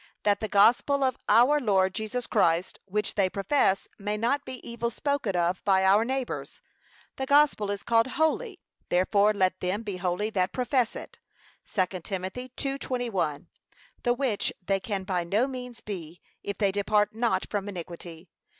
That the gospel of our Lord Jesus Christ, which they profess, may not be evil spoken of by our neighbours. The gospel is called holy, therefore let them be holy that profess it. (2 Peter 2:21) The which they can by no means be, if they depart not from iniquity.